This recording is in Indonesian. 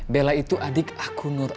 bella itu adik aku nur a